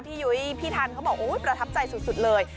ยุ้ยพี่ทันเขาบอกโอ้ยประทับใจสุดเลย